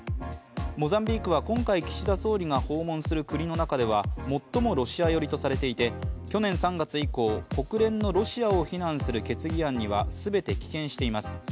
モザンビークは今回、岸田総理が訪問する国の中では最もロシア寄りとされていて去年３月以降国連のロシアを非難する決議案には全て棄権しています。